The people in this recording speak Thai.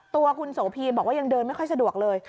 ตัวคุณโสพีบอกว่ายังเดินไม่ค่อยสะดวกเลย